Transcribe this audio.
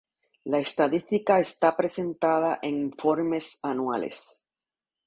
La estadística está presentada en informes anuales.